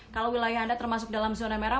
kalau wilayah anda termasuk dalam zona merah